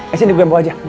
eh sini gue bawa aja